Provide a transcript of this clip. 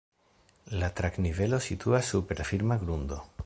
La trak-nivelo situas super firma grundo.